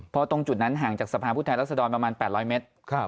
เพราะตรงจุดนั้นห่างจากสภาพผู้แทนรัศดรประมาณ๘๐๐เมตร